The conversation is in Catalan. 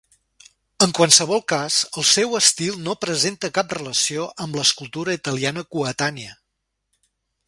En qualsevol cas, el seu estil no presenta cap relació amb l'escultura italiana coetània.